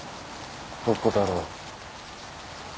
どこだろう。